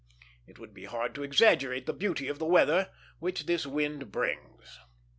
It would be hard to exaggerate the beauty of the weather which this wind brings.